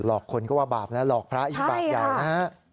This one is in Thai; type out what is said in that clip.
อกคนก็ว่าบาปนะหลอกพระอีกบาปใหญ่นะฮะ